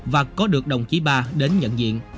và có được đồng chí ba đến nhận diện